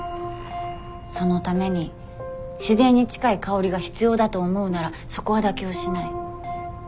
そのために自然に近い香りが必要だと思うならそこは妥協しない。